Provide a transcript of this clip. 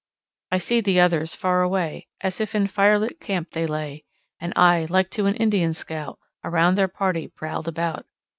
I see the others far away As if in firelit camp they lay, And I, like to an Indian scout, Around their party prowled about.